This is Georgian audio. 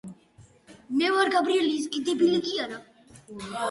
ამ პერიოდის მანძილზე გაბრიელი ესპანეთის ტახტის რიგით მესამე მემკვიდრე მოჰყვა.